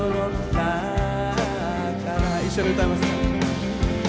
一緒に歌います。